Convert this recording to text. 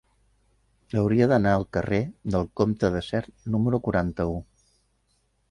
Hauria d'anar al carrer del Comte de Sert número quaranta-u.